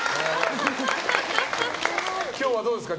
今日はどうですか？